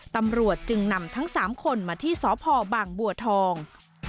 ตำรวจจึงนำทั้ง๓คนมาที่สพบางบัวทอง